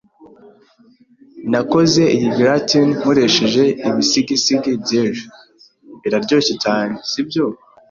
Nakoze iyi gratin nkoresheje ibisigisigi by'ejo. Biraryoshe cyane, sibyo?